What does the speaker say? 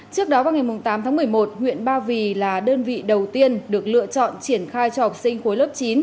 trước đó vào ngày tám tháng một mươi một huyện ba vì là đơn vị đầu tiên được lựa chọn triển khai cho học sinh khối lớp chín